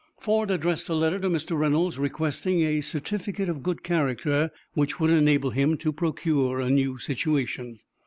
Ford addressed a letter to Mr. Reynolds, requesting a certificate of good character, which would enable him to procure a new situation.